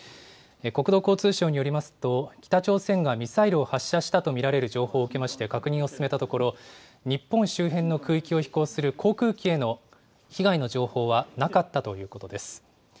国土交通省によりますと、北朝鮮がミサイルを発射したと見られる情報を受けまして、確認を進めたところ、日本周辺の空域を飛行する航空機への被害の情報はなかったということです。